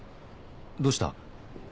どうした？